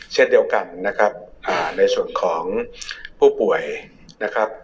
เช่นเดียวกันนะครับในส่วนของผู้ป่วยนะครับ